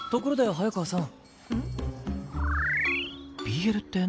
早川さん。